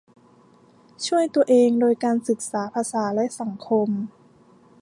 ช่วยตัวเองโดยการศึกษาภาษาและสังคม